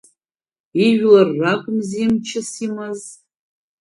Ижәлар ракәымзи мчыс имаз.